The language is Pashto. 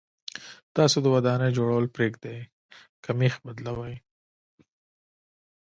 تاسو د ودانۍ جوړول پرېږدئ که مېخ بدلوئ.